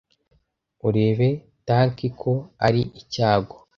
Urebe tanki ko ari icyago,